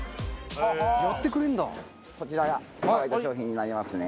こちらがさばいた商品になりますね。